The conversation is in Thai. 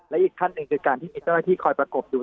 และอีกขั้นหนึ่งคือการที่มีเจ้าหน้าที่คอยประกบดู